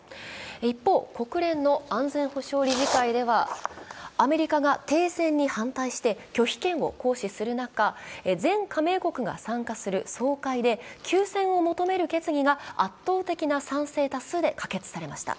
一方、国連の安全保障理事会では、アメリカが停戦に反対して拒否権を行使する中、全加盟国が参加する総会で休戦を求める決議が圧倒的賛成多数で可決されました。